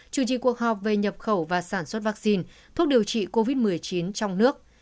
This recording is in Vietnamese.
chủ trì cuộc họp về nhập khẩu và sản xuất vaccine thuốc điều trị covid một mươi chín trong nước